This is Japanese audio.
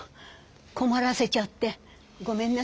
こまらせちゃってごめんなさいね。